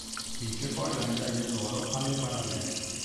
Vince poi la medaglia d'oro alle parallele.